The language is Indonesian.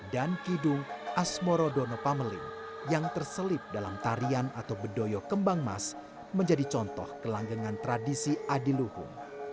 dan kidung asmoro dono pamelin yang terselip dalam tarian atau bedoyo kembang mas menjadi contoh kelanggangan tradisi adiluhum